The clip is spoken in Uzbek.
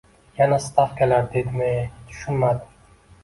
Yana stavkalar deydimiey, tushunmadim